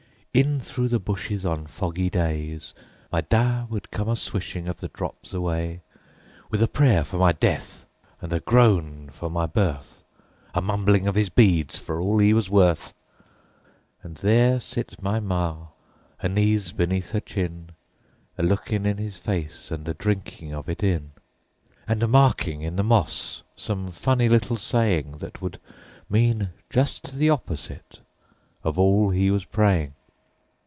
In through the bushes, on foggy days, My Da would come a swishing of the drops away, With a prayer for my death and a groan for my birth, A mumbling of his beads for all he was worth. And there sit my Ma, her knees beneath her chin, A looking in his face and a drinking of it in, And a marking in the moss some funny little saying That would mean just the opposite of all he was praying!